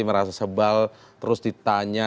merasa sebel terus ditanya